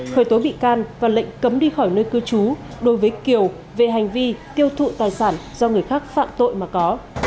khởi tố bị can và lệnh cấm đi khỏi nơi cư trú đối với kiều về hành vi tiêu thụ tài sản do người khác phạm tội mà có